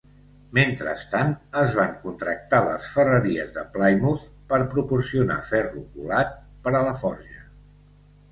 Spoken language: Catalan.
Mentrestant, es van contractar les ferreries de Plymouth per proporcionar ferro colat per a la forja.